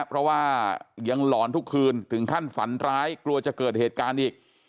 เพราะว่ายังหลอนทุกคืนถึงขั้นฝันร้ายกลัวจะเกิดเหตุการณ์อีก